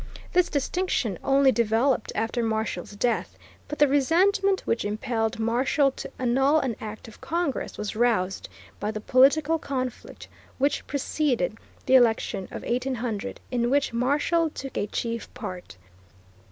This distinction only developed after Marshall's death, but the resentment which impelled Marshall to annul an act of Congress was roused by the political conflict which preceded the election of 1800, in which Marshall took a chief part.